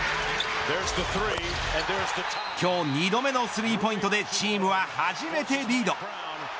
今日２度目のスリーポイントでチームは初めてリード。